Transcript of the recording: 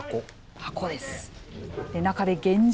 箱です。